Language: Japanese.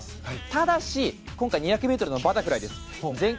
ただし、今回は２００ｍのバタフライです。